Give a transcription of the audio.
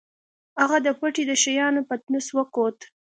هغه د پټۍ د شيانو پتنوس وکوت.